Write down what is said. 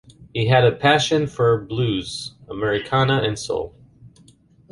He had a passion for blues, Americana and soul.